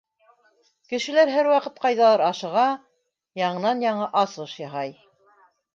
Кешеләр һәр ваҡыт ҡайҙалыр ашыға, яңынан-яңы асыш яһай.